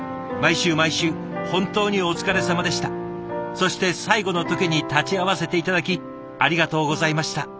そして最後の時に立ち会わせて頂きありがとうございました。